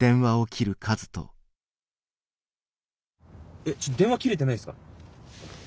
えっちょっと電話切れてないですか？